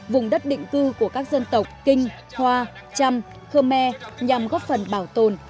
vùng đất định cư của các dân tộc kinh hoa trăm khơ me nhằm góp phần bảo tồn